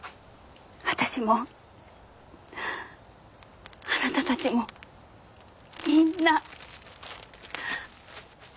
私もあなたたちもみんな。